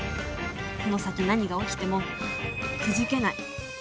この先何が起きてもくじけない。